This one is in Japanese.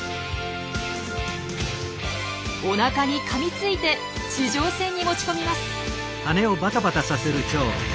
おなかにかみついて地上戦に持ち込みます。